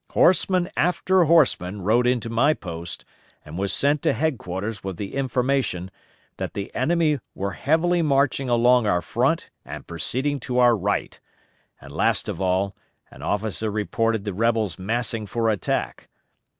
Horseman after horseman rode into my post and was sent to headquarters with the information that the enemy were heavily marching along our front and proceeding to our right; and last of all an officer reported the rebels massing for attack.